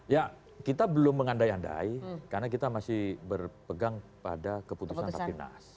ya kita belum mengandai andai karena kita masih berpegang pada keputusan rapinas